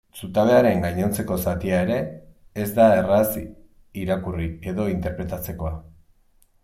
Zutabearen gainontzeko zatia ere, ez da erraz irakurri edo interpretatzekoa.